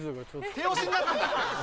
手押しになってんだ。